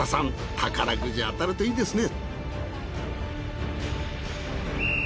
宝くじ当たるといいですね。